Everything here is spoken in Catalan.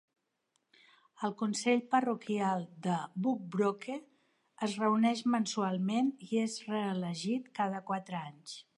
El consell parroquial de Bugbrooke es reuneix mensualment i és reelegit cada quatre anys.